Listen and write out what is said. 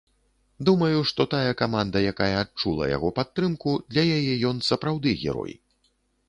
Думаю, што тая каманда, якая адчула яго падтрымку, для яе ён сапраўды герой.